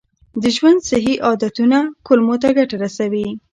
د ژوند صحي عادتونه کولمو ته ګټه رسوي.